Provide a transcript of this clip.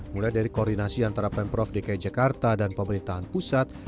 mulai dari koordinasi antara pemprov dki jakarta dan pemerintahan pusat